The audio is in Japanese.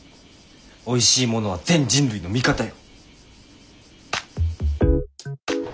おいしいものは全人類の味方よ！